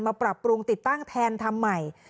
ปรับปรุงติดตั้งแทนทำใหม่